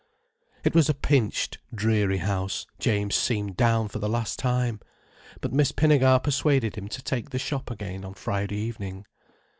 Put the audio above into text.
It was a pinched, dreary house. James seemed down for the last time. But Miss Pinnegar persuaded him to take the shop again on Friday evening.